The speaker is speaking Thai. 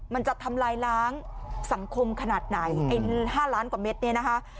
มันจะทำลายล้างสังคมขนาดไหนไอ้๕ล้านกว่าเม็ดเนี่ยนะคะ